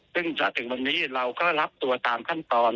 ซึ่งจะถึงวันนี้เราก็รับตัวตามขั้นตอน